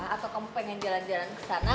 atau kamu pengen jalan jalan kesana